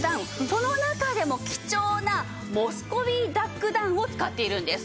その中でも貴重なモスコビーダックダウンを使っているんです。